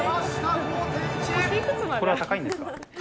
これは高いんですか？